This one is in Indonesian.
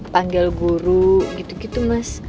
panggil guru gitu gitu mas